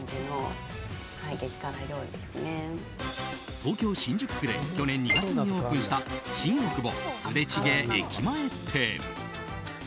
東京・新宿区で去年２月にオープンした新大久保ブデチゲ駅前店。